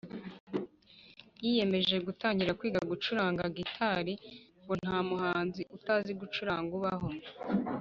Yiyemeje gutangira kwiga gucuranga guitar ngo ntamuhanzi utazi gucuranga ubaho